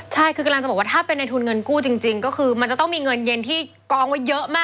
ใช่คือกำลังจะบอกว่าถ้าเป็นในทุนเงินกู้จริงก็คือมันจะต้องมีเงินเย็นที่กองไว้เยอะมาก